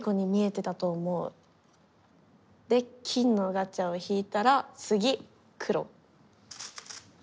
で金のガチャを引いたら次黒。